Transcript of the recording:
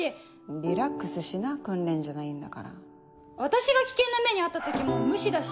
リラックスしな訓練じゃないんだから私が危険な目に遭った時も無視だし。